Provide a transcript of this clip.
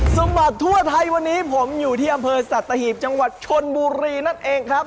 บัดทั่วไทยวันนี้ผมอยู่ที่อำเภอสัตหีบจังหวัดชนบุรีนั่นเองครับ